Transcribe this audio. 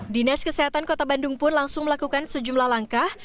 dinas kesehatan kota bandung pun langsung melakukan sejumlah langkah